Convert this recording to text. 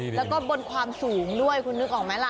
แล้วก็บนความสูงด้วยคุณนึกออกไหมล่ะ